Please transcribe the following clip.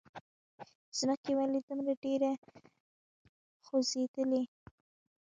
ځمکې! ولې دومره ډېره خوځېدلې؟